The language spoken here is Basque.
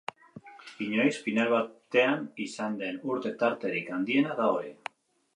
Inoiz, final batean izan den urte-tarterik handiena da hori.